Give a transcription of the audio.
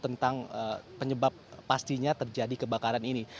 tentang penyebab pastinya terjadi kebakaran ini